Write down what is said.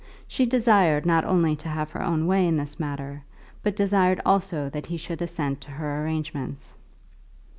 She desired not only to have her own way in this matter, but desired also that he should assent to her arrangements.